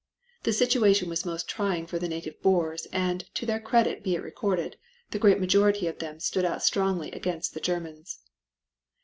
The situation was most trying for the native Boers and, to their credit be it recorded, the great majority of them stood out strongly against the Germans.